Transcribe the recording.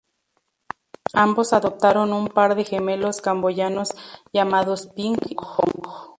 Ambos adoptaron un par de gemelos camboyanos llamados Ping y Pong.